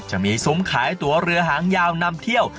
จะมีซุ้มขายตัวเรือหางยาวนำเที่ยว